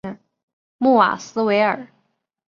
穆瓦斯维尔。